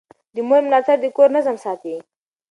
د مور ملاتړ د کور نظم ساتي.